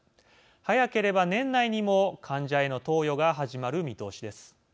早ければ年内にも患者への投与が始まる見通しです。